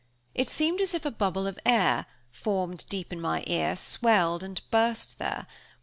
It seemed as if a bubble of air, formed deep in my ear, swelled, and burst there.